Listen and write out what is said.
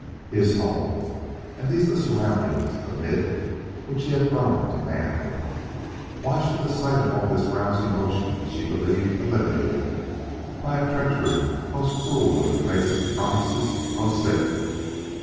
His home! and these the surroundings amid which he had grown to manhood! Why should the sight of all this rouse emotions she believed eliminated by a treachery most cruel in face of promises most sacred?